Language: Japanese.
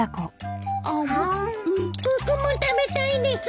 僕も食べたいです。